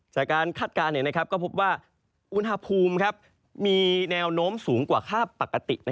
คาดการณ์ก็พบว่าอุณหภูมิมีแนวโน้มสูงกว่าค่าปกติ